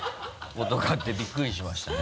ことがあってびっくりしましたね。